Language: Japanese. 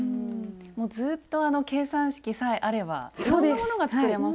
もうずっとあの計算式さえあればいろんなものが作れますもんね。